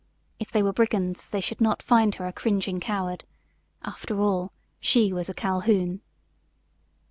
If they were brigands they should not find her a cringing coward. After all, she was a Calhoun.